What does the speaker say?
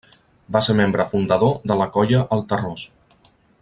Va ser membre fundador de la Colla el Terròs.